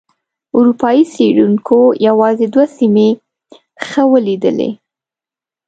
اروپایي څېړونکو یوازې دوه سیمې ښه ولیدلې.